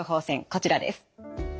こちらです。